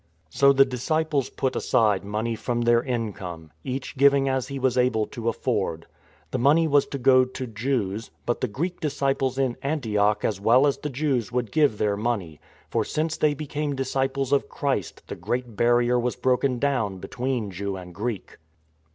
So the disciples put aside money from their income — each giving as he was able to afford. The money was to go to Jews ; but the Greek disciples in Antioch as well as the Jews would give their money, for since they became disciples of Jesus Christ the great barrier was broken down between Jew and Greek.